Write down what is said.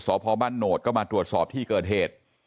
สพบ้านโหนดก็มาตรวจสอบที่เกิดเหตุ